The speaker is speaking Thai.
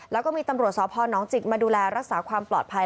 แล้วก็มีตำรวจสพนจิกมาดูแลรักษาความปลอดภัย